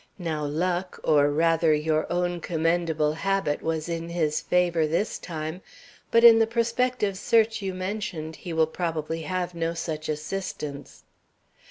Now luck, or, rather, your own commendable habit, was in his favor this time; but in the prospective search you mentioned, he will probably have no such assistance."